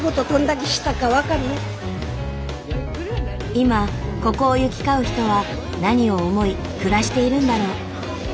今ここを行き交う人は何を思い暮らしているんだろう？